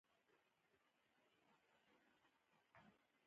دریمه مرحله د وزیرانو شورا ته لیږل دي.